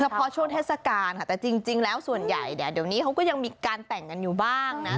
เพราะช่วงเทศกาลค่ะแต่จริงแล้วส่วนใหญ่เนี่ยเดี๋ยวนี้เขาก็ยังมีการแต่งกันอยู่บ้างนะ